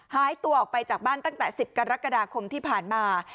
หายตัวออกไปจากบ้านตั้งแต่๑๐กรกฎาคมที่ผ่านมา